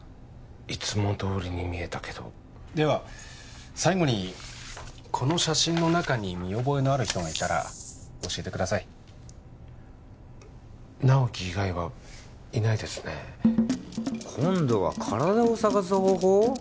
いつもどおりに見えたけどでは最後にこの写真の中に見覚えのある人がいたら教えてください直木以外はいないですね今度は体を捜す方法？